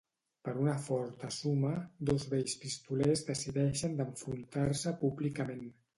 Per una forta suma dos vells pistolers decideixen d'enfrontar-se públicament.